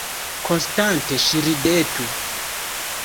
Konstante ŝi ridetu!